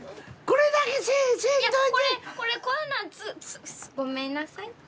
これこんなん。ごめんなさい。